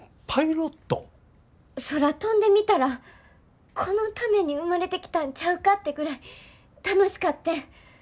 空飛んでみたらこのために生まれてきたんちゃうかってぐらい楽しかってん。